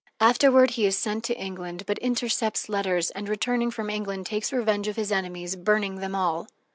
Afterward he is sent to England, but intercepts letters and, returning from England, takes revenge of his enemies, burning them all.